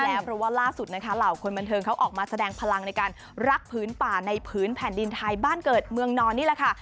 แล้วเพราะว่าล่าสุดนะคะเหล่าคนบันเทิงเขาออกมาแสดงพลังในการรักผืนป่าในผืนแผ่นดินไทยบ้านเกิดเมืองนอนนี่แหละค่ะ